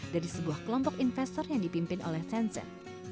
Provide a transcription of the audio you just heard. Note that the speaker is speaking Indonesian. dari sebuah kelompok investor yang dipimpin oleh tencent